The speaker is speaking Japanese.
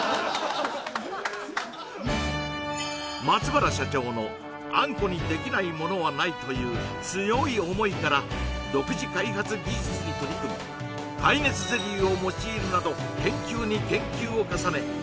松原社長のあんこにできないものはないという強い思いから独自開発技術に取り組み耐熱ゼリーを用いるなど研究に研究を重ね